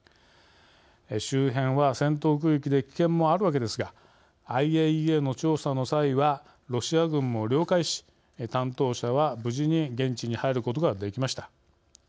周辺は戦闘区域で危険もあるわけですがＩＡＥＡの調査の際はロシア軍も了解し担当者は無事に現地に入ることができました。